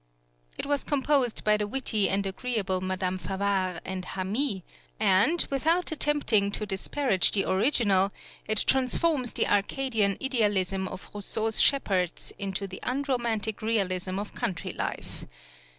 " It was composed by the witty and agreeable Madame Favart and Hamy, and, without attempting to disparage the original, it transforms the Arcadian idealism of Rousseau's shepherds into the unromantic realism of country life.